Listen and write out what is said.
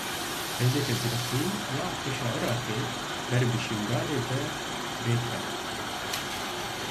Hêzeke zirxî ya Artêşa Iraqê ber bi Şingalê ve bi rê ket.